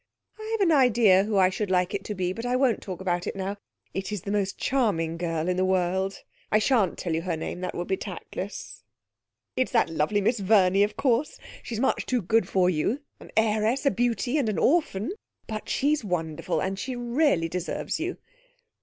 I have an idea who I should like it to be, but I won't talk about it now. It's the most charming girl in the world. I shan't tell you her name, that would be tactless. It's that lovely Miss Verney, of course. She's much too good for you an heiress, a beauty, and an orphan! But she's wonderful; and she really deserves you.'